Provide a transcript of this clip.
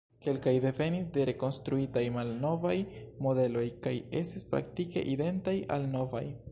Kelkaj devenis de rekonstruitaj malnovaj modeloj kaj estis praktike identaj al novaj.